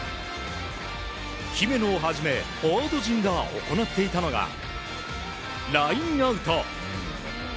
姫野をはじめフォワード陣が行っていたのがラインアウト。